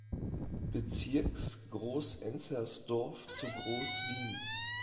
Bezirks Groß-Enzersdorf zu Groß-Wien.